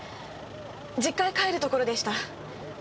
実家へ帰るところでした。